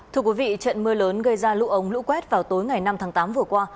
thưa quý vị trận mưa lớn gây ra lũ ống lũ quét vào tối ngày năm tháng tám vừa qua